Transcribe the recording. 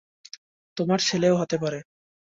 তোমার ছেলেও হতে পারে।